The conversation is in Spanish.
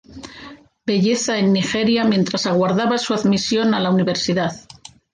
Belleza en Nigeria mientras aguardaba su admisión a la universidad.